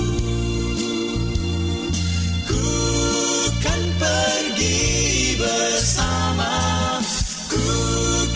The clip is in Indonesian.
oh ku menemukan tuhanku berlindung